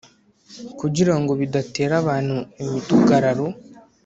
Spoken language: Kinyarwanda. kugira ngo bidatera abantu imidugararo